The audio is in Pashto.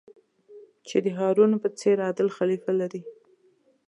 چې د هارون په څېر عادل خلیفه لرئ.